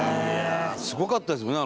すごかったですもんね。